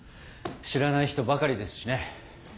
知らない人ばかりですしね。